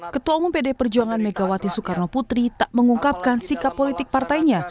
ketua umum pd perjuangan megawati soekarno putri tak mengungkapkan sikap politik partainya